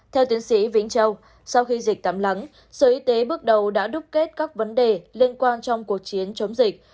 theo tiến sĩ vĩnh châu sau khi dịch tắm lắng sở y tế bước đầu đã đúc kết các vấn đề liên quan trong cuộc chiến chống dịch